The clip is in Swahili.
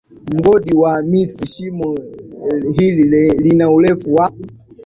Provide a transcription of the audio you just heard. Mgodi wa Mirny Shimo hili lina urefu wa